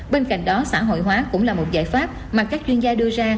bên cạnh đó xã hội hóa cũng là một giải pháp mà các chuyên gia đưa ra